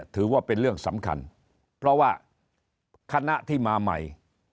ถือว่าเป็นเรื่องสำคัญเพราะว่าคณะที่มาใหม่